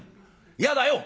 嫌だよ」。